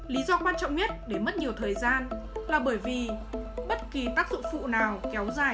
lý do quan trọng nhất để mất nhiều thời gian là bởi vì bất kỳ tác dụng phụ nào kéo dài